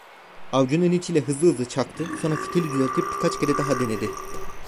Avcunun içi ile hızlı hızlı çaktı, sonra fitili düzeltip birkaç kere daha denedi.